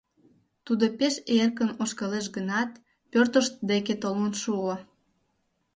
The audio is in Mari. Тудо пеш эркын ошкылеш гынат, пӧртышт деке толын шуо.